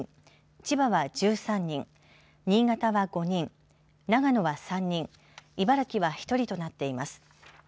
千葉は１３人新潟は５人長野は３人茨城は１人となっています。